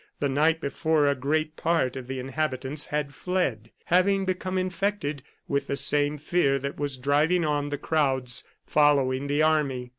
The night before a great part of the inhabitants had fled, having become infected with the same fear that was driving on the crowds following the army.